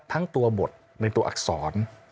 ทั้งตัวบทในตัวอักษร